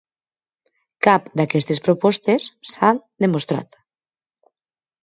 Cap d'aquestes propostes s'han demostrat.